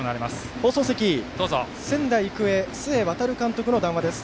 放送席、仙台育英須江航監督の談話です。